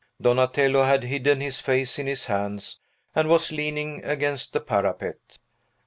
Donatello had hidden his face in his hands, and was leaning against the parapet.